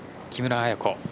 木村彩子